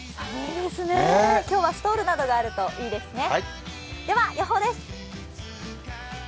今日はストールなどがあるといいですね。